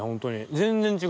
全然違う。